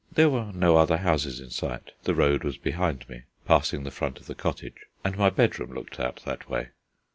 There were no other houses in sight: the road was behind me, passing the front of the cottage, and my bedroom looked out that way.